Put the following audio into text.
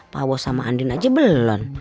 pawos sama andin aja belon